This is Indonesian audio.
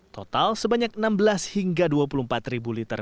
total sebanyak enam belas hingga dua puluh empat ribu liter